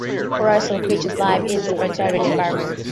Fossorial creatures live in subterranean environments.